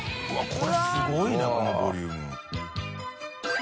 これすごいなこのボリューム。